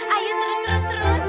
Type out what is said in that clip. ayo terus terus terus